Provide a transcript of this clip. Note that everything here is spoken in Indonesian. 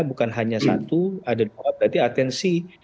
bukan hanya satu ada dua berarti atensi